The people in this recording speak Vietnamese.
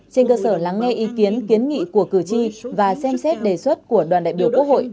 theo ý kiến kiến nghị của cử tri và xem xét đề xuất của đoàn đại biểu quốc hội